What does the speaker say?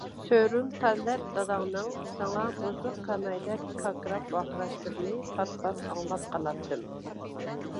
سۆرۈن تەلەت داداڭنىڭ ساڭا بۇزۇق كانايدەك كاركىراپ ۋارقىراشلىرىنى پات-پات ئاڭلاپ قالاتتىم.